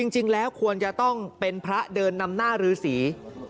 จริงแล้วควรจะต้องเป็นพระเดินนำหน้ารือสี